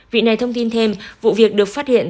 vị này thông tin thêm vụ việc được phát hiện